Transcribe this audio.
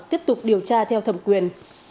tiếp tục điều tra theo thẩm quyền